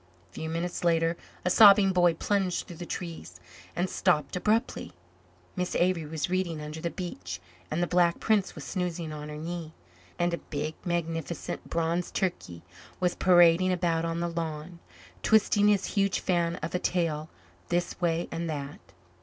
A few minutes later a sobbing boy plunged through the trees and stopped abruptly. Miss Avery was reading under the beech and the Black Prince was snoozing on her knee and a big, magnificent, bronze turkey was parading about on the lawn, twisting his huge fan of a tail this way and that.